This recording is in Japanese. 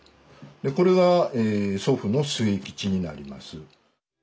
これが祖父の末吉になります。